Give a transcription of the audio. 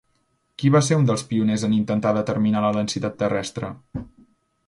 Qui va ser un dels pioners en intentar determinar la densitat terrestre?